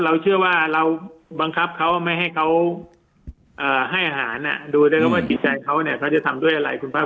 เราเชื่อว่าเราบังคับเขาไม่ให้เขาให้อาหารดูด้วยตัวว่า